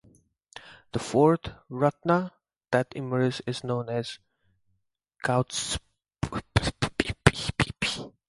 The fourth "Ratna" that emerged is known as Kaustubh.